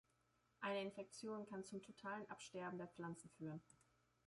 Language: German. Eine Infektion kann zum totalen Absterben der Pflanzen führen.